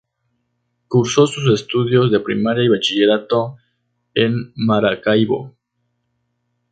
Cursó sus estudios de primaria y de bachillerato en Maracaibo.